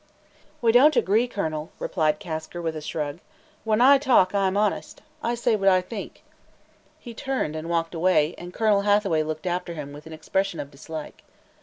"We don't agree, Colonel," replied Kasker, with a shrug. "When I talk, I'm honest; I say what I think." He turned and walked away and Colonel Hathaway looked after him with an expression of dislike.